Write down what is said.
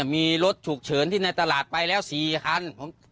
มีรถฉุกเฉินที่ในตลาดไปแล้ว๔คัน